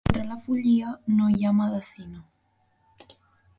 Contra la follia no hi ha medecina.